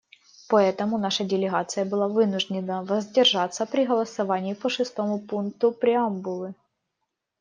Поэтому наша делегация была вынуждена воздержаться при голосовании по шестому пункту преамбулы.